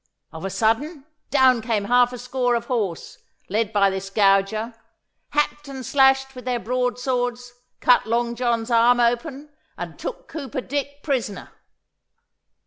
Of a sudden, down came half a score of horse, led by this gauger, hacked and slashed with their broad swords, cut Long John's arm open, and took Cooper Dick prisoner.